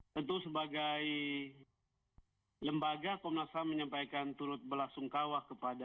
tentu sebagai lembaga komnas ham menyampaikan turut belasungkawa kepada